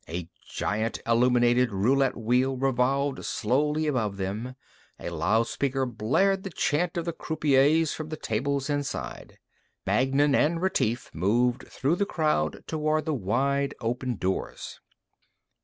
A giant illuminated roulette wheel revolved slowly above them. A loudspeaker blared the chant of the croupiers from the tables inside. Magnan and Retief moved through the crowd toward the wide open doors.